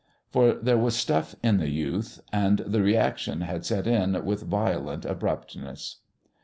For there was stuff in the youth, and the reaction had set in with violent abruptness.